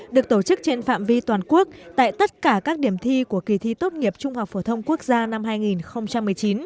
được tổ chức trên phạm vi toàn quốc tại tất cả các điểm thi của kỳ thi tốt nghiệp trung học phổ thông quốc gia năm hai nghìn một mươi chín